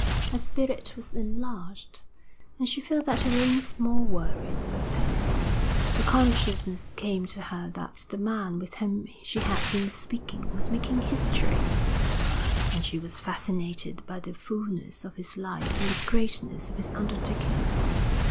Her spirit was enlarged, and she felt that her own small worries were petty. The consciousness came to her that the man with whom she had been speaking was making history, and she was fascinated by the fulness of his life and the greatness of his undertakings.